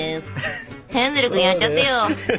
ヘンゼル君やっちゃってよ。